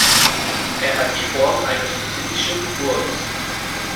Er hat die Form eines hussitischen Turms.